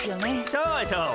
そうそう。